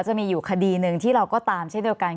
จะมีอยู่คดีหนึ่งที่เราก็ตามเช่นเดียวกัน